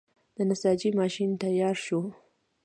د نساجۍ ماشین تیار شو.